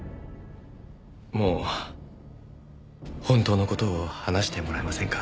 もう本当の事を話してもらえませんか？